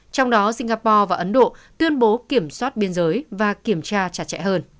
trong đó singapore và ấn độ tuyên bố kiểm soát biên giới và kiểm tra chặt chẽ hơn